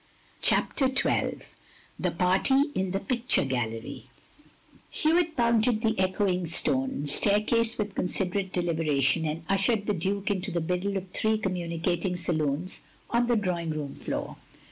CHAPTER XII THE PARTY IN THE PICTURE GALLERY Hewitt mounted the echoing stone staircase with considerate deliberation, and ushered the Duke into the middle of three commtmicating saloons on the drawing room floor.